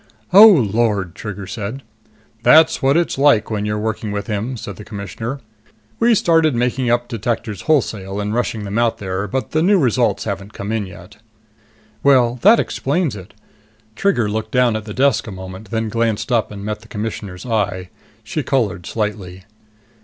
"Oh, Lord!" Trigger said. "That's what it's like when you're working with him," said the Commissioner. "We started making up detectors wholesale and rushing them out there, but the new results haven't come in yet." "Well, that explains it." Trigger looked down at the desk a moment, then glanced up and met the Commissioner's eye. She colored slightly.